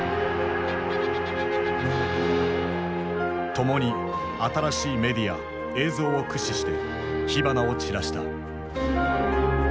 共に新しいメディア・映像を駆使して火花を散らした。